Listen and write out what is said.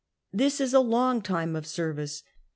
This is a long time of service.